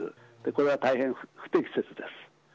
これは大変不適切です。